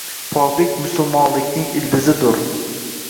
Poklik musulmonlig’ning ildizidur